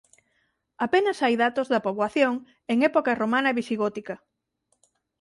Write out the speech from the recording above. Apenas hai datos da poboación en época romana e visigótica.